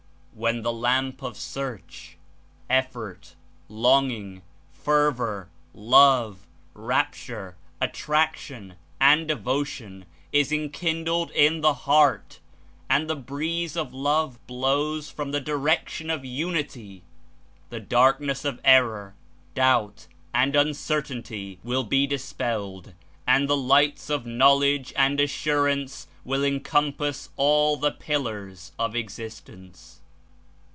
'" "When the lamp of search, effort, longing, fervor, love, rapture, attraction and devotion is enkindled in the heart, and the breeze of love blows from the direction of Unity, the darkness of error, doubt and uncertainty will be dispelled ^^^j^^^^^^^ and the lights of knowledge and assur ance will encompass all the pillars of existence.